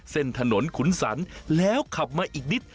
ถนนขุนสรรแล้วขับมาอีกนิด